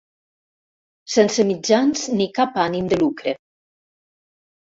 Sense mitjans ni cap ànim de lucre.